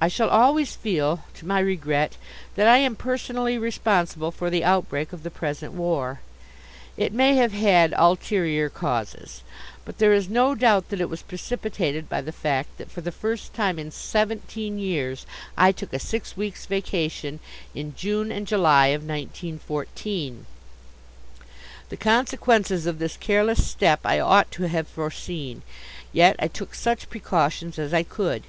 I shall always feel, to my regret; that I am personally responsible for the outbreak of the present war. It may have had ulterior causes. But there is no doubt that it was precipitated by the fact that, for the first time in seventeen years, I took a six weeks' vacation in June and July of 1914. The consequences of this careless step I ought to have foreseen. Yet I took such precautions as I could.